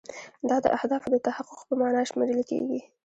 دا د اهدافو د تحقق په معنا شمیرل کیږي.